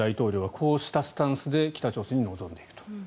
次の大統領はこうしたスタンスで北朝鮮に臨んでいくと。